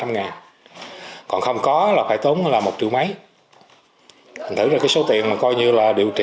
còn không có là phải tốn là một triệu mấy thành thử ra cái số tiền mà coi như là điều trị